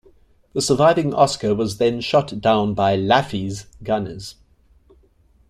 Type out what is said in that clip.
The surviving Oscar was then shot down by "Laffey"s gunners.